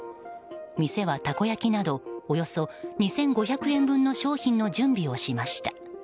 店はたこ焼きなどおよそ２５００円分の商品の準備をしました。